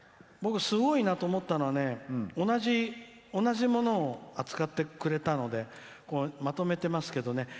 僕、すごいなと思ったのは同じものを扱ってくれたのでまとめてますけどね。